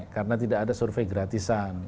karena tidak ada survei gratisan